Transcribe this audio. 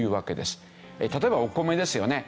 例えばお米ですよね。